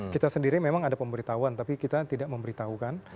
kita sendiri memang ada pemberitahuan tapi kita tidak memberitahukan